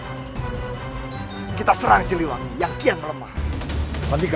kekuatan raden walang susang